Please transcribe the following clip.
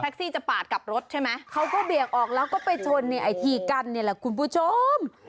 จะปาดกลับรถใช่ไหมเขาก็เบี่ยงออกแล้วก็ไปชนในไอทีกันเนี่ยแหละคุณผู้ชม